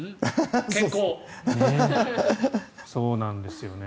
そうなんですよね。